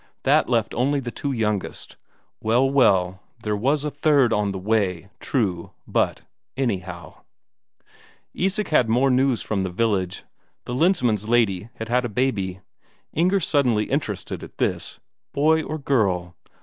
That left only the two youngest well, well, there was a third on the way, true, but, anyhow ... Isak had more news from the village: the Lensmand's lady had had a baby. Inger suddenly interested at this: "Boy or girl?"